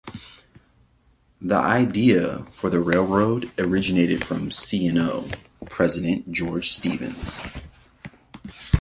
The idea for the railroad originated from C and O president George Stevens.